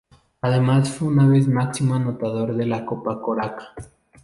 Además fue una vez máximo anotador de la Copa Korac.